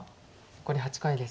残り８回です。